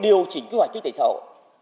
điều chỉnh kế hoạch kinh tế xã hội